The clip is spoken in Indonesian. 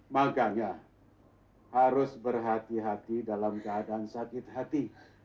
makanya harus berhati hati dalam keadaan sakit hati